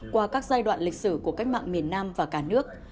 qua các giai đoạn lịch sử của cách mạng miền nam và cả nước